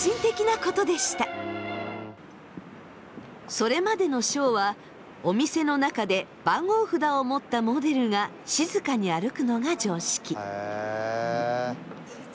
それまでのショーはお店の中で番号札を持ったモデルが静かに歩くのが常識。